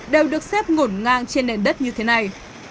đều được xếp ngổn ngang trên nền đất như thế này